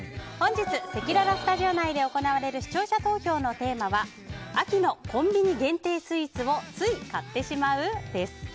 本日、せきららスタジオ内で行われる視聴者投票のテーマは秋のコンビニ限定スイーツをつい買ってしまう？です。